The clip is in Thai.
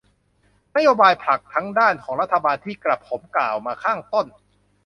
นโยบายหลักทั้งด้านของรัฐบาลที่กระผมกล่าวมาข้างต้น